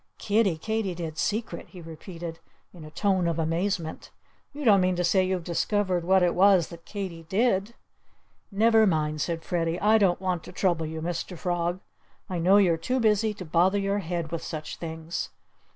"Kiddie Katydid's secret!" he repeated in a tone of amazement. "You don't mean to say you've discovered what it was that Katy did?" "Never mind!" said Freddie. "I don't want to trouble you, Mr. Frog. I know you're too busy to bother your head with such things."